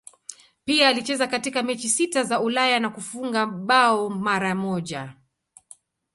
Pia alicheza katika mechi sita za Ulaya na kufunga bao mara moja.